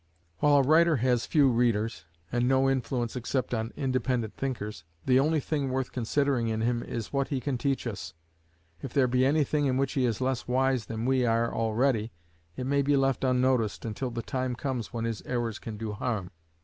While a writer has few readers, and no influence except on independent thinkers, the only thing worth considering in him is what he can teach us: if there be anything in which he is less wise than we are already, it may be left unnoticed until the time comes when his errors can do harm.